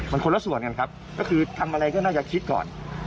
มันคนละส่วนกันครับก็คือทำอะไรก็น่าจะคิดก่อน